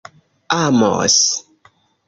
amos